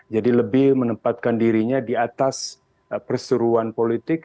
jadi lebih menempatkan dirinya di atas perseruan politik